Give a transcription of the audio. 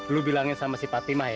lu bilangin sama si fatimah ya